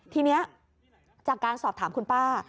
ทีนี้จากการสอบถามคุณป้า